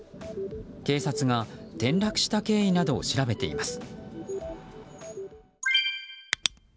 警察が転落した経緯などを調べています。